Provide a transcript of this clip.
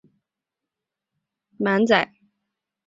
只有一节车厢超满载